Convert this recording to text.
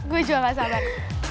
gue juga gak sabar